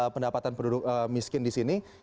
penduduk miskin di indonesia